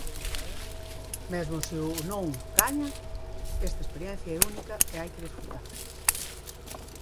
Mesmo se o "Non" gaña, esta experiencia é única e hai que desfrutala.